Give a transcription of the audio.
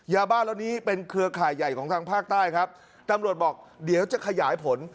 ยาบ้าเหล่านี้เป็นเครือข่ายใหญ่ของทางภาคใต้ครับตำรวจบอกเดี๋ยวจะขยายผล